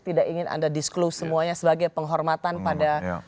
tidak ingin anda disclose semuanya sebagai penghormatan pada